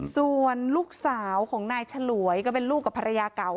ส่วนลูกสาวของนายฉลวยก็เป็นลูกกับภรรยาเก่า